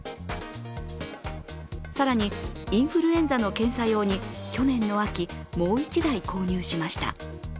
更に、インフルエンザの検査用に去年の秋、もう一台購入しました。